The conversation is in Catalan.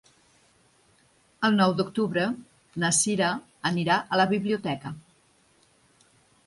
El nou d'octubre na Cira anirà a la biblioteca.